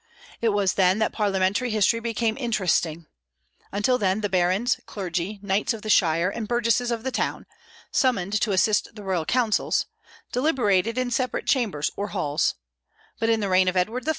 It was then that parliamentary history became interesting. Until then the barons, clergy, knights of the shire, and burgesses of the town, summoned to assist the royal councils, deliberated in separate chambers or halls; but in the reign of Edward III.